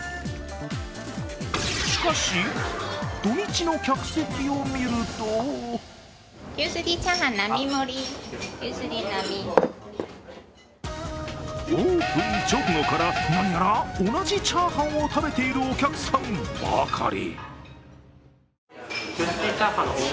しかし、土日の客席を見るとオープン直後から何やら同じチャーハンを食べているお客さんばかり。